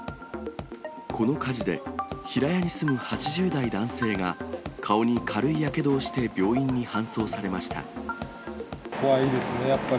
この火事で、平屋に住む８０代男性が顔に軽いやけどをして病院に搬送されまし怖いですね、やっぱり。